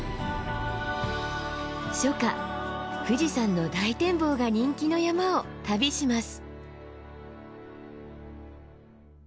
初夏富士山の大展望が人気の山を旅します。